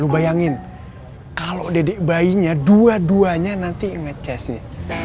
lu bayangin kalau dedek bayinya dua duanya nanti nge chase nya